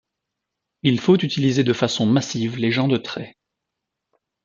Il faut utiliser de façon massive les gens de trait.